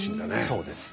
そうです。